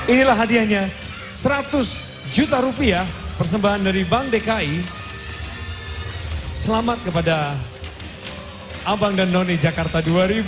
inilah hadiahnya seratus juta rupiah persembahan dari bank dki selamat kepada abang dan noni jakarta dua ribu dua puluh